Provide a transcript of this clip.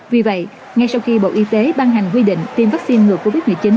vì vậy ngay sau khi bộ y tế ban hành quy định tiêm vaccine ngừa covid một mươi chín